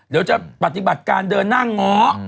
เดี๋ยวจะปฏิบัติการเดินหน้าง้อ